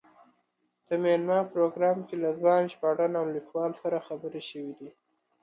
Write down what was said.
د مېلمه پروګرام کې له ځوان ژباړن او لیکوال سره خبرې شوې دي.